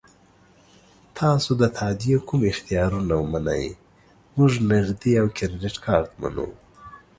تاسو د تادیې کوم اختیارونه منئ؟ موږ نغدي او کریډیټ کارت منو.